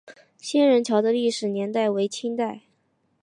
仙人桥的历史年代为清代。